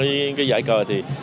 thì sẽ có một giải cờ mới